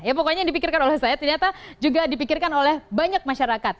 ya pokoknya yang dipikirkan oleh saya ternyata juga dipikirkan oleh banyak masyarakat